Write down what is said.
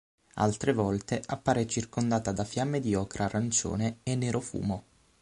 Altre volte appare circondata da fiamme di ocra arancione e nerofumo.